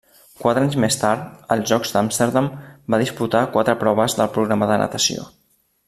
Quatre anys més tard, als Jocs d'Amsterdam, va disputar quatre proves del programa de natació.